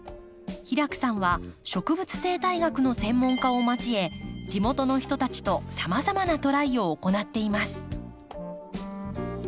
平工さんは植物生態学の専門家を交え地元の人たちとさまざまなトライを行っています。